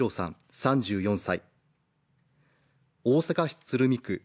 ３４歳。